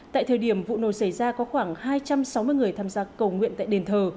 tại thời điểm vụ nổ xảy ra có khoảng hai trăm sáu mươi người tham gia cầu nguyện tại đền thờ